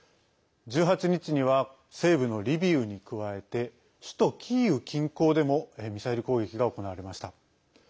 １８日には西部のリビウに加えて首都キーウ近郊でもミサイル攻撃が行われました。